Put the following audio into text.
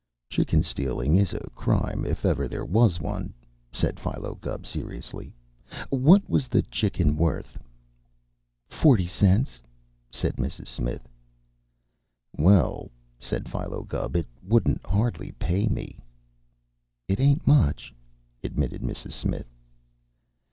"Chicken stealing is a crime if ever there was one," said Philo Gubb seriously. "What was the chicken worth?" "Forty cents," said Mrs. Smith. "Well," said Philo Gubb, "it wouldn't hardly pay me." "It ain't much," admitted Mrs. Smith.